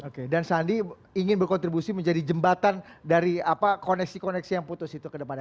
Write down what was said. oke dan sandi ingin berkontribusi menjadi jembatan dari koneksi koneksi yang putus itu ke depannya